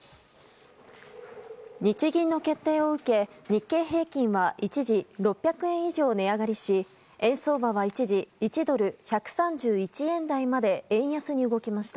日銀の決定を受け、日経平均は一時、６００円以上値上がりし円相場は一時１ドル＝１３１円台まで円安に動きました。